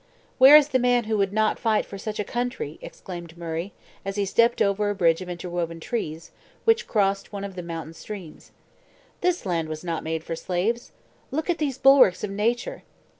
"Where is the man who would not fight for such a country?" exclaimed Murray, as he stepped over a bridge of interwoven trees, which crossed one of the mountain streams. "This land was not made for slaves. Look at these bulwarks of nature!